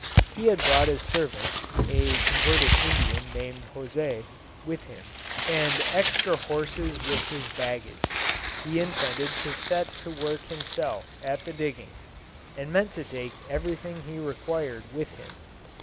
He had brought his servant (a converted Indian, named José) with him, and extra horses with his baggage; he intended to set to work himself at the diggings, and meant to take everything he required with him.